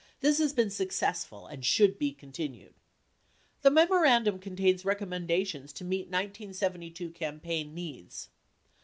This has been successful and should be continued. ... The memorandum contains recommendations to meet 1972 campaign needs.